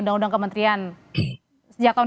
undang undang kementerian sejak tahun dua ribu